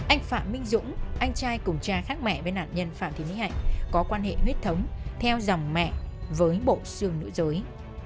anh phạm minh dũng anh trai cùng cha khác mẹ với nạn nhân phạm thị mỹ hạnh có quan hệ huyết thống theo dòng mẹ với bộ xương nữ giới